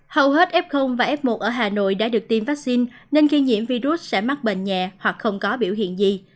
hầu hết f và f một ở hà nội đã được tiêm vaccine nên khi nhiễm virus sẽ mắc bệnh nhẹ hoặc không có biểu hiện gì